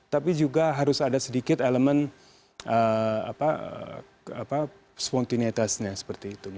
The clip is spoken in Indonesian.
tapi juga harus ada sedikit elemen spontinaitasnya seperti itu